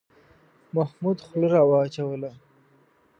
محمود خوله را وچوله.